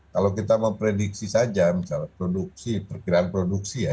kalau kita memprediksi saja misalnya produksi perkiraan produksi ya